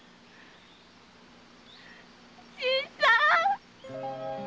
新さん！